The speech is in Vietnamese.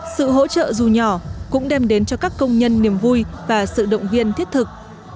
sự hỗ trợ dù nhỏ cũng đem đến cho các công nhân niềm vui và sự động viên thiết thực